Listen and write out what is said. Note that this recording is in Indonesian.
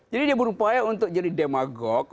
jadi dia berupaya untuk jadi demagog